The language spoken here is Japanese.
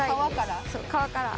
皮から？